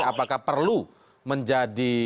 apakah perlu menjadi